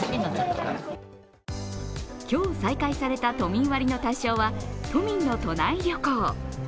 今日再開された都民割の対象は、都民の都内旅行。